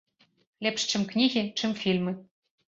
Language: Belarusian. Лепш, чым кнігі, чым фільмы.